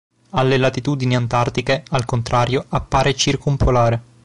Alle latitudini antartiche, al contrario, appare circumpolare.